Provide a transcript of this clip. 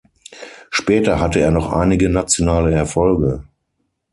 Später hatte er noch einige nationale Erfolge.